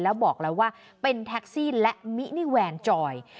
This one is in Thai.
แล้วบอกแล้วว่าเป็นแท็กซี่และมินิแวนจอย